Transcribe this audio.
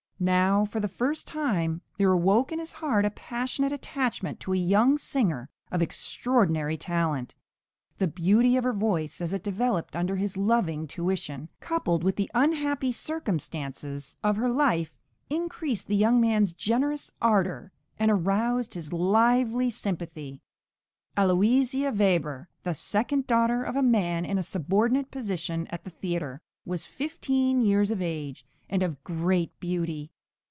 Now, for the first time, there awoke in his heart a passionate attachment to a young singer of extraordinary talent; the beauty of her voice as it developed under his loving tuition, coupled with the unhappy circumstances of her life, increased the young man's generous ardour, and aroused his lively sympathy. Aloysia Weber, the second daughter of a man in a subordinate position at the theatre, was fifteen {MDLLE. WEBER.} (417) years of age, and of great beauty.